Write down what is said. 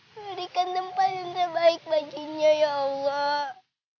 berikan tempat yang terbaik baginya ya allah